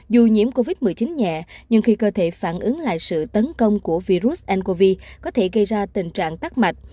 dù nhiễm covid một mươi chín nhẹ nhưng khi cơ thể phản ứng lại sự tấn công của virus ncov có thể gây ra tình trạng tắc mạch